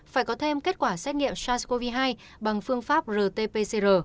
phải có thêm kết quả xét nghiệm sars cov hai bằng phương pháp rt pcr